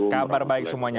kabar baik semuanya